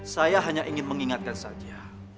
saya hanya ingin mengingatkan saja